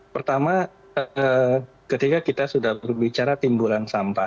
pertama ketika kita sudah berbicara timbulan sampah